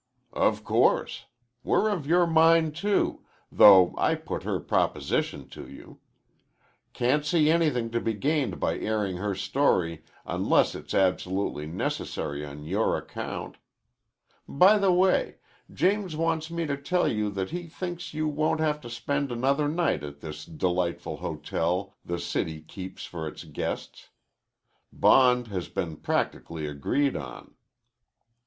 "Of course. We're of your mind, too, though I put her proposition to you. Can't see anything to be gained by airing her story unless it's absolutely necessary on your account. By the way, James wants me to tell you that he thinks you won't have to spend another night at this delightful hotel the city keeps for its guests. Bond has been practically agreed on."